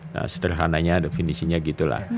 nah sederhananya definisinya gitu lah